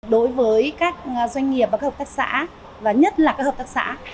đối với các doanh nghiệp và các hợp tác xã và nhất là các hợp tác xã